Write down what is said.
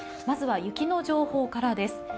まずは雪の情報からです。